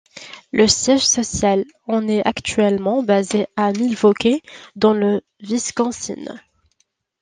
Le siège social en est actuellement basé à Milwaukee dans le Wisconsin.